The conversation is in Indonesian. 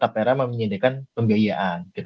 tapi itu juga menyediakan pembiayaan